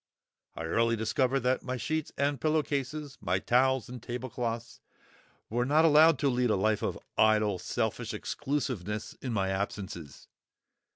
I early discovered that my sheets and pillow cases, my towels and tablecloths, were not allowed to lead a life of idle, selfish exclusiveness in my absences.